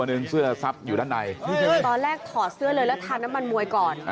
นีมาฮะคุณชุวิตถอดซื้อเลย